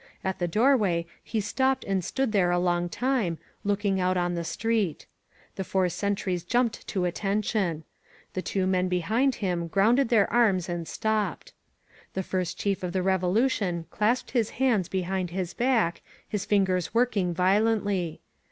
At the doorway he stopped and stood there a long time, look ing out on the street. The four sentries jumped to attention. The two men behind him grounded their arms and stopped. The First Chief of the Revolu tion clasped his hands behind his back, his fingers working violently.